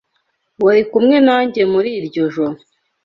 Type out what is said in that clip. Wari kumwe nanjye muri iryo joro.